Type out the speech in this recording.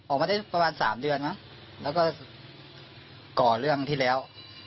ออกมาได้ประมาณ๓เดือนมั้งแล้วก็ก่อเรื่องที่แล้ว